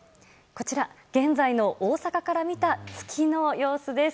こちら、現在の大阪から見た月の様子です。